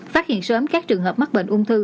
phát hiện sớm các trường hợp mắc bệnh ung thư